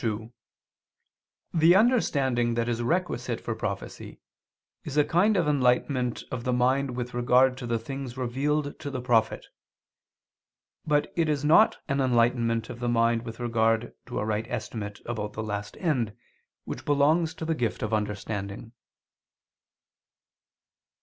2: The understanding that is requisite for prophecy, is a kind of enlightenment of the mind with regard to the things revealed to the prophet: but it is not an enlightenment of the mind with regard to a right estimate about the last end, which belongs to the gift of understanding.